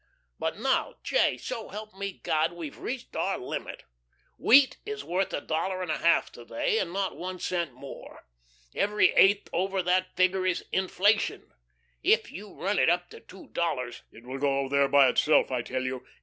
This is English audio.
But now, J., so help me God, we've reached our limit. Wheat is worth a dollar and a half to day, and not one cent more. Every eighth over that figure is inflation. If you run it up to two dollars " "It will go there of itself, I tell you."